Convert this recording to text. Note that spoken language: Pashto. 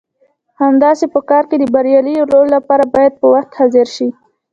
همداسې په کار کې د بریالي رول لپاره باید په وخت حاضر شئ.